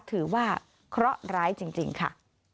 ถือว่าเคราะห์ร้ายจริงค่ะ